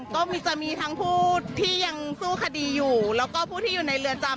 ก็จะมีทั้งผู้ที่ยังสู้คดีอยู่แล้วก็ผู้ที่อยู่ในเรือนจำ